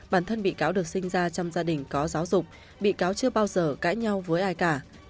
bản thân bị cáo được sinh ra trong gia đình có giáo dục bị cáo chưa bao giờ cãi nhau với ai cả